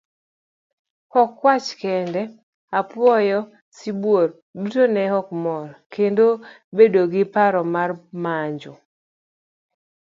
Ok kwach kende, apuoyo, sibuor, duto neok mor, kendo bedo gi paro mar monjo.